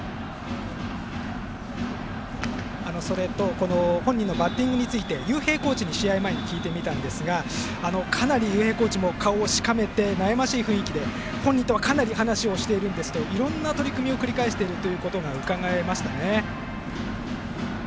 それと、本人のバッティングについてコーチに試合前に聞いてみたんですがかなりコーチも、顔をしかめて悩ましい雰囲気で本人とは話をしているんですがいろんな取り組みを繰り返しているのが伺えましたね。